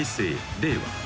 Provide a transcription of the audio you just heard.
令和］